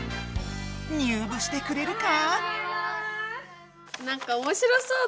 入部してくれるか？